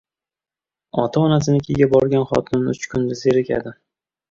• Ota-onasinikiga borgan xotin uch kunda zerikadi.